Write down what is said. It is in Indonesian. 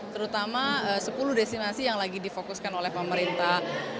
terutama sepuluh destinasi yang lagi difokuskan oleh pemerintah